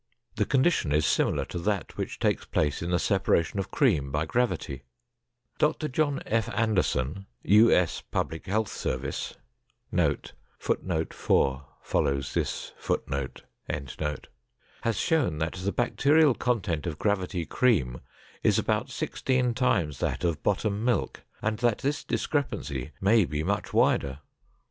The condition is similar to that which takes place in the separation of cream by gravity. Dr. John F. Anderson, U. S. Public Health Service, has shown that the bacterial content of gravity cream is about sixteen times that of bottom milk and that this discrepancy may be much wider.